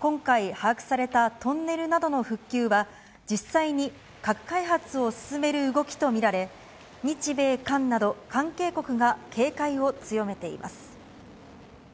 今回、把握されたトンネルなどの復旧は、実際に核開発を進める動きと見られ、日米韓など、関係国が警戒を強めています。